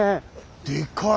でかい。